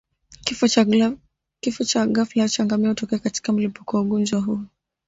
Kifo cha ghafla cha ngamia hutokea katika mlipuko wa ugonjwa huu